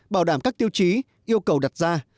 bảo đảm các tiêu chí yêu cầu đặt ra